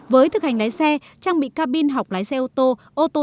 với thực hành lái xe trang bị cabin học lái xe ô tô